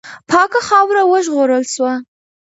پاکه خاوره وژغورل سوه.